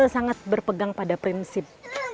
sangat berpegang pada prinsip